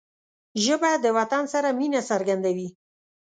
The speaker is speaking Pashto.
ژبه د وطن سره مینه څرګندوي